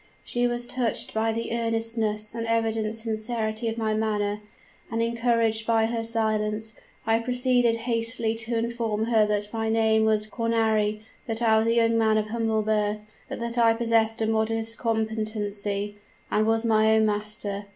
She was touched by the earnestness and evident sincerity of my manner; and, encouraged by her silence, I proceeded hastily to inform her that my name was Cornari, that I was a young man of humble birth, but that I possessed a modest competency, and was my own master.